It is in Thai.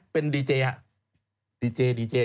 ฟันทง